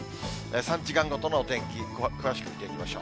３時間ごとのお天気、詳しく見てみましょう。